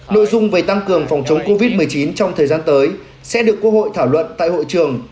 nội dung về tăng cường phòng chống covid một mươi chín trong thời gian tới sẽ được quốc hội thảo luận tại hội trường